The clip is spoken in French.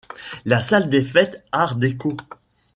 La salle des fêtes art déco.